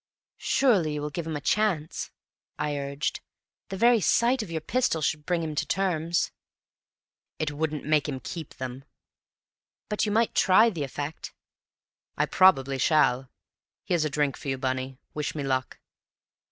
"Surely you will give him a chance!" I urged. "The very sight of your pistol should bring him to terms." "It wouldn't make him keep them." "But you might try the effect?" "I probably shall. Here's a drink for you, Bunny. Wish me luck."